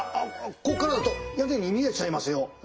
ここからだと屋根に見えちゃいますよ。